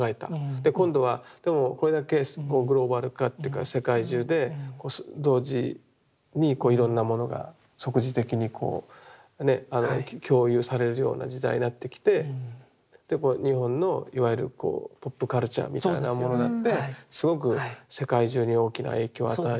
で今度はでもこれだけグローバル化というか世界中で同時にいろんなものが即時的にこうね共有されるような時代になってきて日本のいわゆるポップカルチャーみたいなものだってすごく世界中に大きな影響を与えている。